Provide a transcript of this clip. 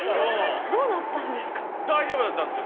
どうなったんですか？